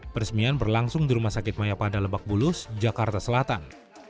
peresmian berlangsung di rumah sakit maya pada lebak bulus jakarta selatan